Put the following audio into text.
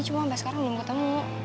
cuma sampai sekarang belum ketemu